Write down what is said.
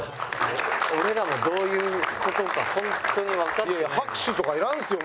俺らもどういう事かホントにわかってない。